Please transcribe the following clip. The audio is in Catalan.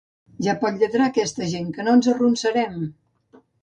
Ja pot lladrar, aquesta gent, que no ens arronsarem!